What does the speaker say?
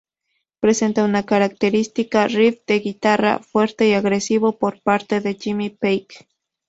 Presenta un característico riff de guitarra, fuerte y agresivo, por parte de Jimmy Page.